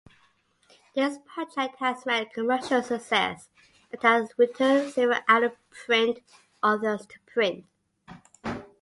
This project has met commercial success, and has returned several out-of-print authors to print.